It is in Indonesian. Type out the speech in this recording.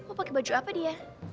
oh pakai baju apa dia